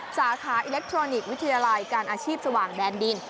สาขาอิเล็กทรอนิกส์วิทยาลัยการอาชีพสว่างแดนดิน